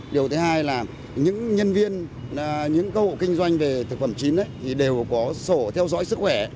điều thứ hai là những nhân viên những cơ hội kinh doanh về thực phẩm chín thì đều có sổ theo dõi sức khỏe